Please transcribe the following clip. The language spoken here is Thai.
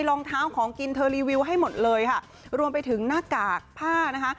รองเท้าของกินเธอรีวิวให้หมดเลยค่ะรวมไปถึงหน้ากากผ้านะคะ